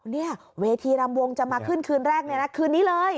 เนี่ยเวทีรำวงจะมาขึ้นคืนแรกเนี่ยนะคืนนี้เลย